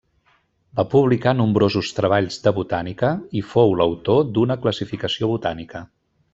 Va publicar nombrosos treballs de botànica i fou l'autor d'una classificació botànica.